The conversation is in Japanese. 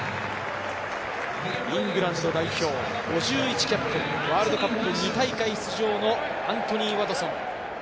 イングランド代表校、５１キャップ、ワールドカップ２大会出場のアントニー・ワトソン。